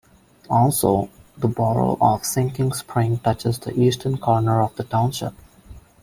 Also, the borough of Sinking Spring touches the eastern corner of the township.